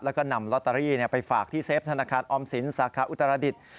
แล้วก็นำลอตเตอรี่ไปฝากที่เฟฟธนาคารออมสินสาขาอุตรดิษฐ์